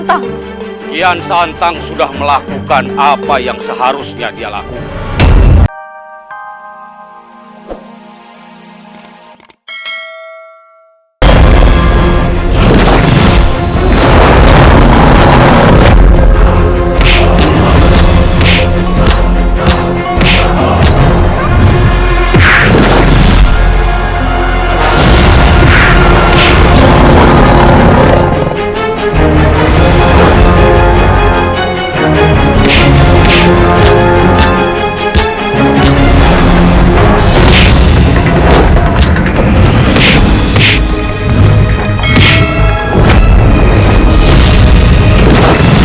aku harus mengeluarkan pedang zulfiqor